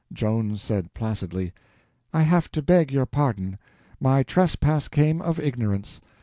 Joan said placidly: "I have to beg your pardon. My trespass came of ignorance.